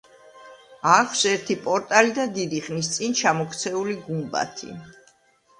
აქვს ერთი პორტალი და დიდი ხნის წინ ჩამოქცეული გუმბათი.